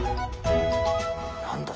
何だ？